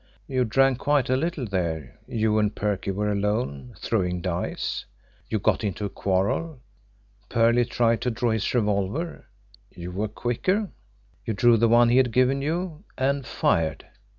You drank quite a little there. You and Perley were alone, throwing dice. You got into a quarrel. Perley tried to draw his revolver. You were quicker. You drew the one he had given you and fired.